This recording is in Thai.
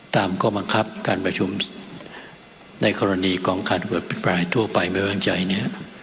ตามก้อมังคับการประชุมในกรณีกองคันเวิร์ดปิดปลายทั่วไปไม่วางใจเนี่ย